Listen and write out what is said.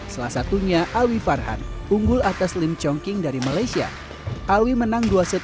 salah satunya ali farhan unggul atas lim chongking dari malaysia ali menang dua set